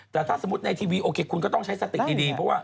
แต่ถ้าสมมุติในทีวีโอเคคุณก็ต้องใช้สติดีเพราะว่า